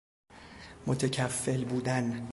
متکفل بودن